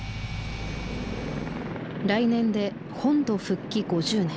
来年で本土復帰５０年。